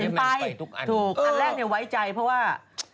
ถึงไปอันแรกเนี่ยไว้ใจเพราะว่า